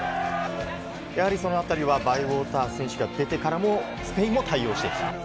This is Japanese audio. そのあたりはバイウォーター選手が出てからもスペインも対応している。